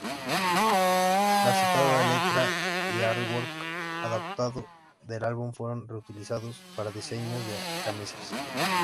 La citada letra y "artwork" adaptado del álbum fueron reutilizados para diseños de camisas.